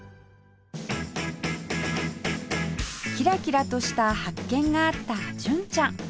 キラキラとした発見があった純ちゃん